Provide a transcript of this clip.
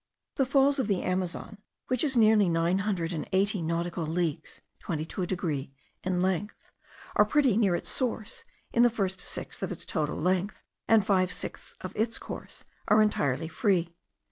The falls of the Amazon, which is nearly nine hundred and eighty nautical leagues (twenty to a degree) in length, are pretty near its source in the first sixth of its total length, and five sixths of its course are entirely free.